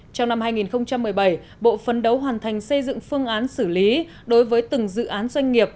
trong năm hai nghìn một mươi bảy bộ phấn đấu hoàn thành xây dựng phương án xử lý đối với từng dự án doanh nghiệp